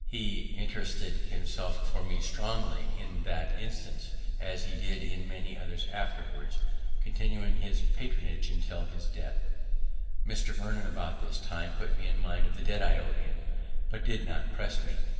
He interested himself for me strongly in that instance, as he did in many others afterward, continuing his patronage till his death. I got his son once £500. Marg. note. Mr. Vernon, about this time, put me in mind of the debt I ow'd him, but did not press me.